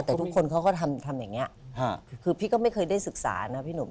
แต่ทุกคนเขาก็ทำอย่างนี้คือพี่ก็ไม่เคยได้ศึกษานะพี่หนุ่ม